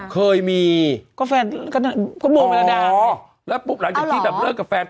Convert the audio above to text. เคยมีก็แฟนก็โมมารดาอ๋อแล้วปุ๊บหลังจากที่แบบเลิกกับแฟน